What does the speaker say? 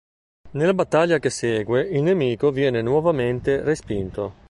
Nella battaglia che segue il nemico viene nuovamente respinto.